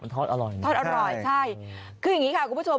ทอดอร่อยนะทอดอร่อยใช่คืออย่างนี้ค่ะคุณผู้ชม